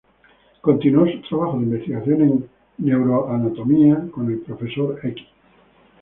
Continuó sus trabajos de investigación en neuroanatomía con el Prof.